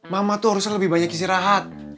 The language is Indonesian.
mama tuh harusnya lebih banyak istirahat